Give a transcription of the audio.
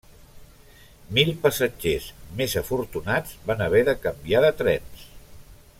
Mil passatgers, més afortunats, van haver de canviar de trens.